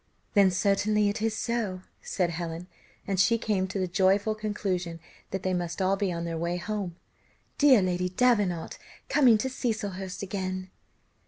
"Then certainly it is so," said Helen; and she came to the joyful conclusion that they must all be on their way home: "Dear Lady Davenant coming to Cecilhurst again!"